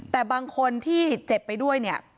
แต่บางคนที่เจ็บไปด้วยเนี่ย